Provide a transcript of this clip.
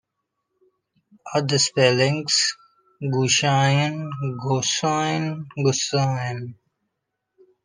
"Other spellings": Gusayn, Gusoin, Gusoyn.